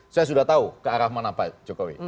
saya sudah tahu ke arah mana pak jokowi